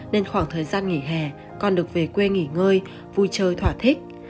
nên khoảng thời gian nghỉ hè con được về quê nghỉ ngơi vui chơi thỏa thích